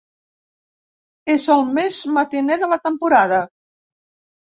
És el més matiner de la temporada.